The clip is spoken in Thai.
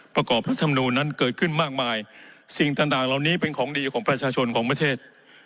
ประกอบรัฐธรรมนูลนั้นเกิดขึ้นมากมายสิ่งต่างต่างเหล่านี้เป็นของดีของประชาชนของประเทศ